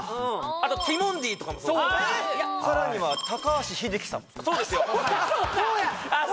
あとティモンディとかもそうですさらには高橋英樹さんもそうですよあっ